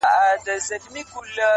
لکه وروڼه په قسمت به شریکان یو؛